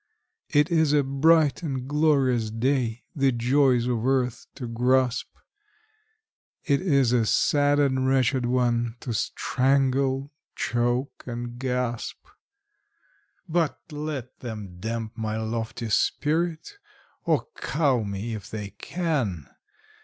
It is a bright and glorious day the joys of earth to grasp It is a sad and wretched one to strangle, choke, and gasp! But let them damp my lofty spirit, or cow me if they can!